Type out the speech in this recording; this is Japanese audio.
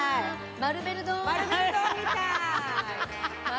マルベル堂みたい！